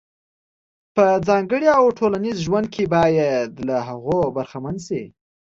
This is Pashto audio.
په ځانګړي او ټولنیز ژوند کې باید له هغو برخمن شي.